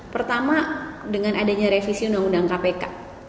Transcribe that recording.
pertama dengan adanya revisi undang undang kpk